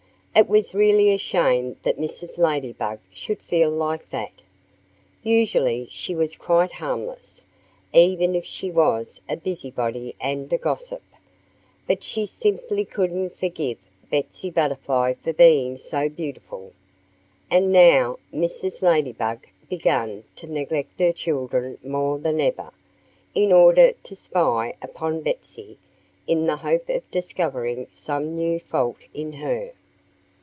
It was really a shame that Mrs. Ladybug should feel like that. Usually she was quite harmless, even if she was a busybody and a gossip. But she simply couldn't forgive Betsy Butterfly for being so beautiful. And now Mrs. Ladybug began to neglect her children more than ever, in order to spy upon Betsy in the hope of discovering some new fault in her.